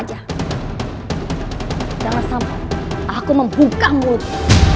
jangan sampai aku membuka mulut